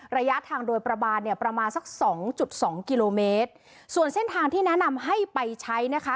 ระยะทางโดยประมาณเนี่ยประมาณสักสองจุดสองกิโลเมตรส่วนเส้นทางที่แนะนำให้ไปใช้นะคะ